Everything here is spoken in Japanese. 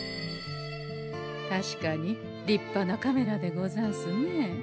確かに立派なカメラでござんすね。